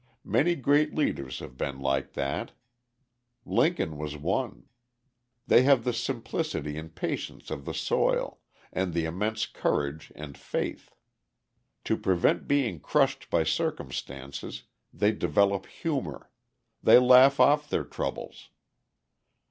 Many great leaders have been like that: Lincoln was one. They have the simplicity and patience of the soil, and the immense courage and faith. To prevent being crushed by circumstances they develop humour; they laugh off their troubles.